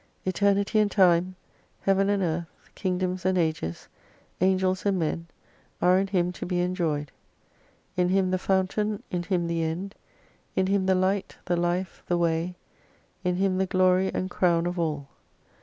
Eternity and Time, Heaven and Earth, Kingdoms and Ages, Angels and Men are in Him to be enjoyed. In Him the Fountain, in Him the End, in Him the Light, the Life, the Way, in Him the glory and crown of all.